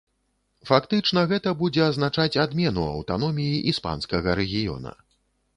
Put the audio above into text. Фактычна гэта будзе азначаць адмену аўтаноміі іспанскага рэгіёна.